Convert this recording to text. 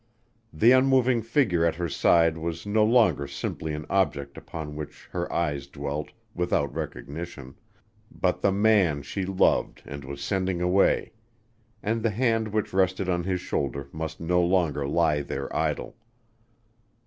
The unmoving figure at her side was no longer simply an object upon which her eyes dwelt without recognition, but the man she loved and was sending away, and the hand which rested on his shoulder must no longer lie there idle.